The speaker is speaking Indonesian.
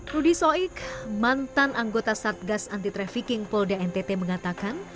rudy soik mantan anggota satgas anti trafficking polda ntt mengatakan